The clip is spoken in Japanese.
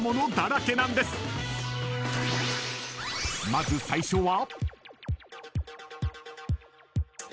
［まず最初は］